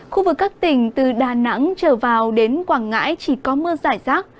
khu vực các tỉnh từ đà nẵng trở vào đến quảng ngãi chỉ có mưa rải rác